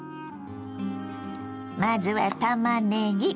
まずはたまねぎ。